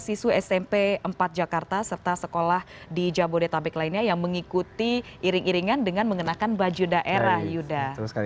siswa smp empat jakarta serta sekolah di jabodetabek lainnya yang mengikuti iring iringan dengan mengenakan baju daerah yuda